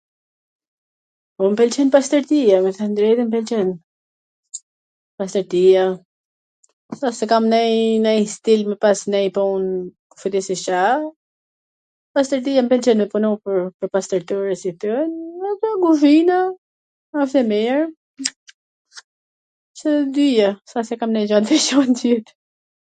Po m pwlqen pastwrtia, me thwn drejtwn m pwlqen, pastwrtia, s ash se kam nonj stil me pas nonj pun kushedi se Car, pastwrtia m pwlqen me punu pwr pastwrtore si kto, edhe guzhina asht e mir, qw tw dyja, s a se kam nonj gjw t veCant tjetwr...